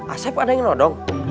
asep ada yang nodong